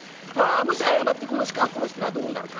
もし過ってこの鹿を殺したらどうなるか？